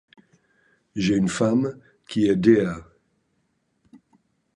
J’ai une femme, qui est Dea.